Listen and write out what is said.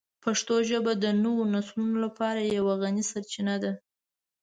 پښتو ژبه د نوو نسلونو لپاره یوه غني سرچینه ده.